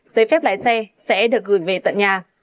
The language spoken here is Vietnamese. giấy phép lái xe sẽ được gửi về tận nhà